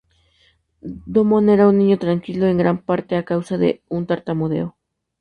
Damon era un niño tranquilo, en gran parte a causa de un tartamudeo.